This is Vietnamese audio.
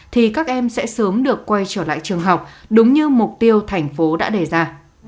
thì các em sẽ sớm được quay trở lại trường học đúng như mục tiêu thành phố đã đề ra